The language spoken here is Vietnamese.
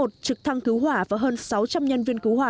trực thăng cứu hỏa và hơn sáu trăm linh nhân viên cứu hỏa